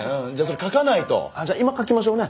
あっじゃあ今書きましょうね？